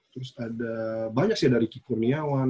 terus ada banyak sih dari kikurniawan